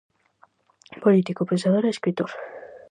Político, pensador e escritor.